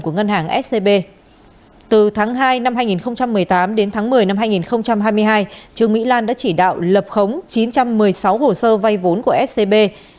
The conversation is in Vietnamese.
từ tháng hai năm hai nghìn một mươi tám đến tháng một mươi năm hai nghìn hai mươi hai trương mỹ lan đã chỉ đạo lập khống chín trăm một mươi sáu hồ sơ vay vốn của scb